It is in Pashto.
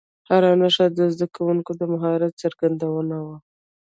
هره نښه د زده کوونکو د مهارت څرګندونه وه.